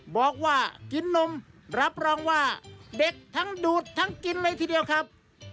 บอกว่ากินนมรับรองว่าเด็กทั้งดูดทั้งกินเลยทีเดียวครับ